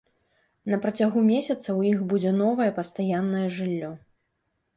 На працягу месяца ў іх будзе новае пастаяннае жыллё.